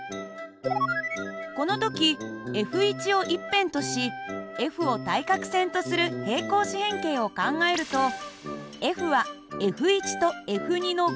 この時Ｆを１辺としＦを対角線とする平行四辺形を考えるとＦはＦとＦの合力になります。